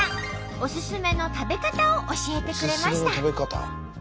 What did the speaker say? オススメの食べ方を教えてくれました。